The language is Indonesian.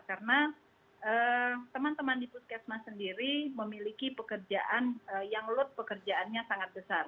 karena teman teman di puskesmas sendiri memiliki pekerjaan yang load pekerjaannya sangat besar